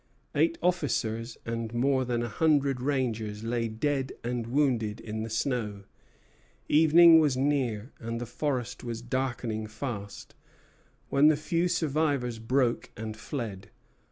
Eight officers and more than a hundred rangers lay dead and wounded in the snow. Evening was near and the forest was darkening fast, when the few survivors broke and fled.